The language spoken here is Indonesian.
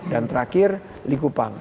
dan terakhir likupang